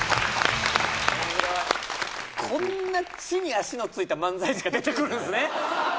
こんな地に足のついた漫才師が出てくるんすね